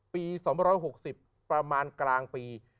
๒๖๐ประมาณกลางปี